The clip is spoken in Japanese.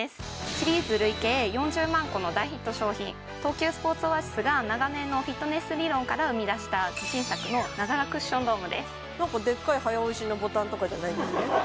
シリーズ累計４０万個の大ヒット商品東急スポーツオアシスが長年のフィットネス理論から生み出した自信作のなんかでっかい早押しのボタンとかじゃないんですね